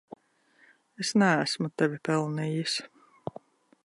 Es neesmu tevi pelnījis.